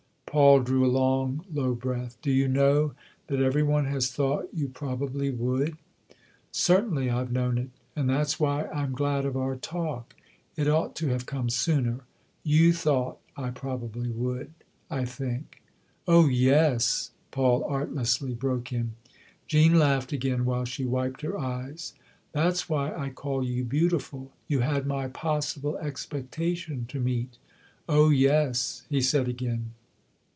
Paul drew a long, low breath. "Do you know that every one has thought you probably would ?" "Certainly, I've known it, and that's why I'm glad of our talk. It ought to have come sooner. You thought I probably would, I think "" Oh, yes !" Paul artlessly broke in. Jean laughed again while she wiped her eyes. "That's why I call you beautiful. You had my possible expectation to meet." " Oh, yes !" he said again.